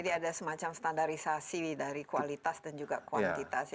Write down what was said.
jadi ada semacam standarisasi dari kualitas dan juga kuantitas